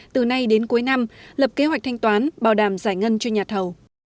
từ nay đến cuối năm lập kế hoạch thanh toán bảo đảm giải ngân cho nhà thầu